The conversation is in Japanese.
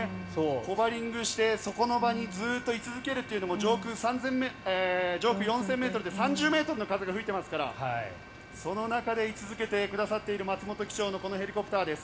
ホバリングしてそこの場にずっと居続けるのも上空４０００ｍで３０ｍの風が吹いていますからその中で居続けてくださっている松本機長のこのヘリコプターです。